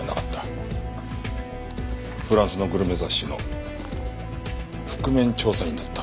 フランスのグルメ雑誌の覆面調査員だった。